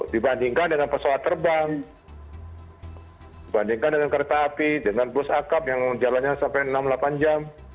dibandingkan dengan pesawat terbang dibandingkan dengan kereta api dengan bus akap yang jalannya sampai enam delapan jam